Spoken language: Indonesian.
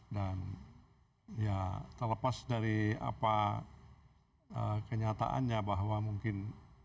dan ya terlepas dari kenyataannya bahwa mungkin